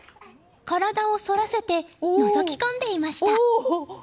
体をそらせてのぞき込んでいました。